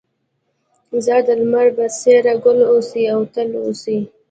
ځار د لمر بڅريه، ګل اوسې او تل اوسې